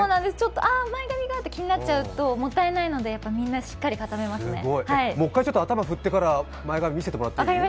あ、前髪がって気になっちゃうともったいないのでもう一回、スプレー振ってから前髪見せてもらっていい？